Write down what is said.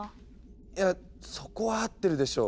いやそこは合ってるでしょう。